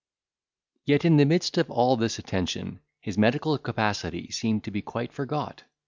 Yet, in the midst of all this attention, his medical capacity seemed to be quite forgot.